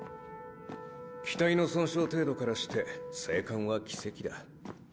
機体の損傷程度からして生還は奇跡だ。